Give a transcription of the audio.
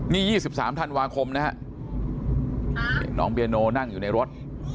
นี่๒๓ธันวาคมนะฮะนี่น้องเบียโนนั่งอยู่ในรถ